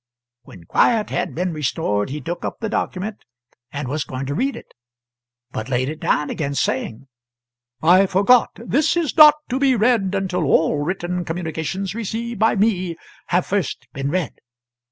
When quiet had been restored he took up the document, and was going to read it, but laid it down again saying "I forgot; this is not to be read until all written communications received by me have first been read."